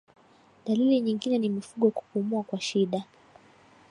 Dalili nyingine ni mifugo kupumua kwa shida